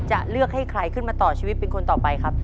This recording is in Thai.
จะเลือกให้ใครขึ้นมาต่อชีวิตเป็นคนต่อไปครับ